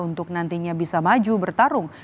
untuk nantinya bisa maju bertarung